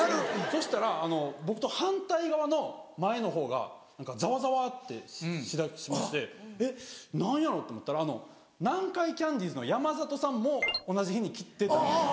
そしたら僕と反対側の前のほうがザワザワってしだしましてえっ何やろう？と思ったら南海キャンディーズの山里さんも同じ日に来てたんですよ。